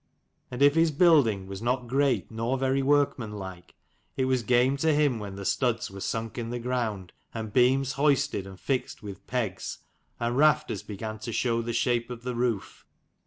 And if his building was not great nor very workmanlike, it was game to him when the studs were sunk in the ground, and beams hoisted and fixed with pegs, and 112 rafters began to show the shape of the roof.